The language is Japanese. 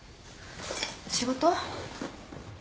仕事？